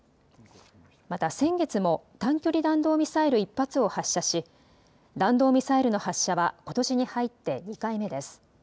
また先月も短距離弾道ミサイル１発を発射し弾道ミサイルの発射はことしに入って２回目です。